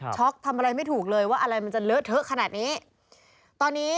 ช็อคทำอะไรไม่ถูกเลยว่าอะไรมันจะเลอะเทอะขนาดนี้